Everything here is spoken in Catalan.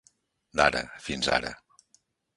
D'ara, fins ara.